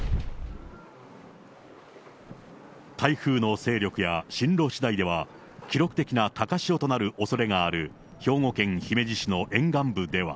台風の勢力や進路しだいでは、記録的な高潮となるおそれがある兵庫県姫路市の沿岸部では。